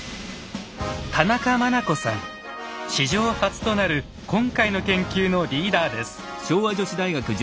史上初となる今回の研究のリーダーです。